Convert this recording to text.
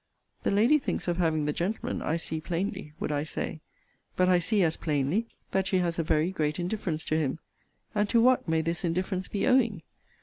'The lady thinks of having the gentleman, I see plainly, would I say. But I see as plainly, that she has a very great indifference to him. And to what may this indifference be owing?